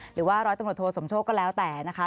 หรือว่าร้อยตำรวจโทสมโชคก็แล้วแต่นะคะ